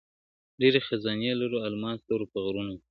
• ډېري خزانې لرو الماس لرو په غرونو کي,